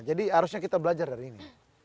jadi harusnya kita belajar dari ini